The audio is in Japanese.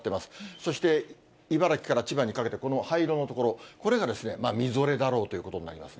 そして、茨城から千葉にかけて、この灰色の所、これがですね、みぞれだろうということになりますね。